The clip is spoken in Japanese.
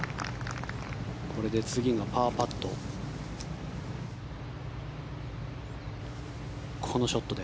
これで次がパーパット。